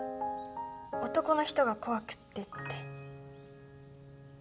男の人が怖くてって